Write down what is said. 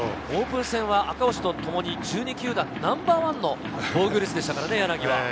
オープン戦は赤星とともに１２球団ナンバーワンの防御率でしたからね、柳は。